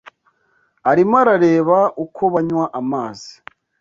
Arimo arareba uko banywa amazi